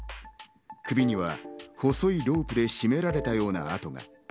首には細いロープで絞められたような痕が。